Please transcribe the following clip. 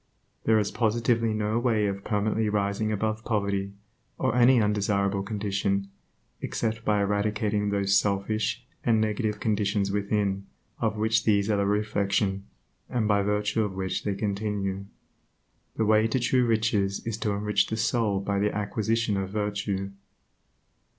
There is positively no way of permanently rising above poverty, or any undesirable condition, except by eradicating those selfish and negative conditions within, of which these are the reflection, and by virtue of which they continue. The way to true riches is to enrich the soul by the acquisition of virtue.